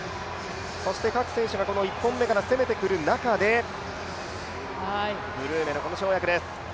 そして各選手が１本目から攻めてくる中でブルーメのこの跳躍です。